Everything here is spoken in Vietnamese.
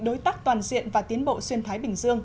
đối tác toàn diện và tiến bộ xuyên thái bình dương